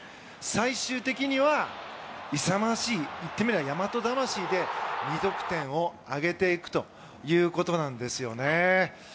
最終的には勇ましい言ってみれば大和魂で２得点を挙げていくということなんですよね。